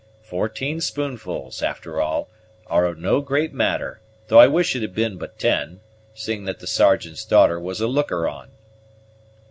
Fourteen spoonfuls, after all, are no great matter, though I wish it had been but ten, seeing that the Sergeant's daughter was a looker on."